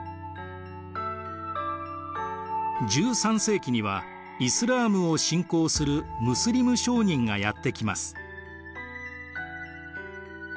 １３世紀にはイスラームを信仰するムスリム商人がやって来ます。